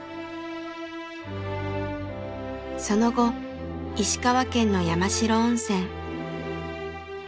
その後石川県の山代温泉。